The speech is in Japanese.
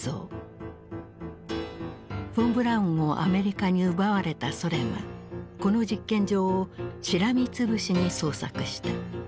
フォン・ブラウンをアメリカに奪われたソ連はこの実験場をしらみつぶしに捜索した。